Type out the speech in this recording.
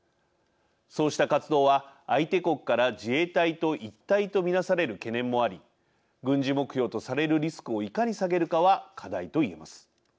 そうした活動は相手国から自衛隊と一体と見なされる懸念もあり軍事目標とされるリスクをいかに下げるかは課題と言えます。